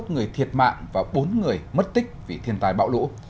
bốn người thiệt mạng và bốn người mất tích vì thiên tai bão lũ